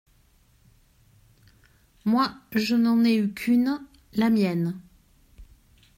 Moi, je n’en ai eu qu’une… la mienne…